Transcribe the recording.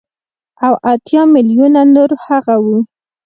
او اتيا ميليونه نور هغه وو.